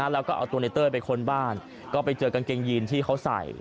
แล้วก็เอาตัวในเต้ยไปค้นบ้านก็ไปเจอกางเกงยีนที่เขาใส่